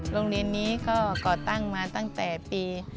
โรงเรียนนี้ก็ก่อตั้งมาตั้งแต่ปี๕๗